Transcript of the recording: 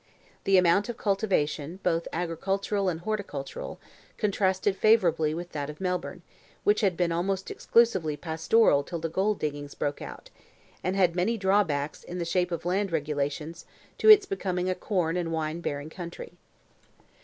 The amount of cultivation, both agricultural and horticultural, contrasted favourably with that of Melbourne, which had been almost exclusively pastoral till the gold diggings broke out, and had had many drawbacks, in the shape of land regulations, to its becoming a corn and wine bearing country.